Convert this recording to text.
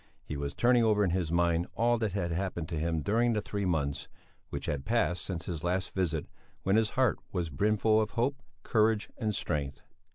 He was turning over in his mind all that had happened to him during the three months which had passed since his last visit, when his heart was brimful of hope, courage, and strength.